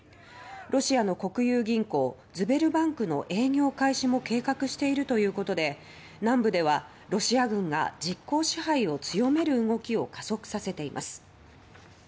ロシアの国有銀行ズベルバンクの営業開始も計画しているということで南部では、ロシア軍が実効支配を強める動きを加速させています。